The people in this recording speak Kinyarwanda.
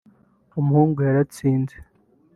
“Umuhungu yaratsinze